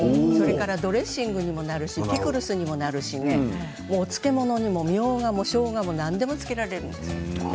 ドレッシングにもなるしピクルスにもなるしお漬物にも、みょうがもしょうがもなんでも漬けられる。